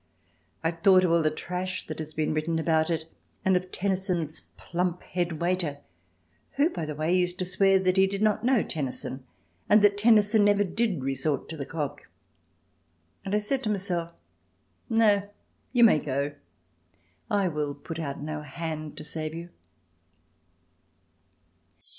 I thought of all the trash that has been written about it and of Tennyson's plump head waiter (who by the way used to swear that he did not know Tennyson and that Tennyson never did resort to the Cock) and I said to myself: "No—you may go. I will put out no hand to save you."